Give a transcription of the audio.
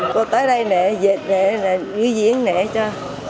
cô tới đây nè dễ nè người diễn nè cho